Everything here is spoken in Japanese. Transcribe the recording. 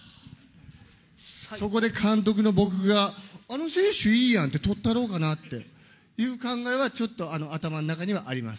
そこで監督の僕が、あの選手いいやんって採ったろうかなっていう考えはちょっと頭の中にはあります。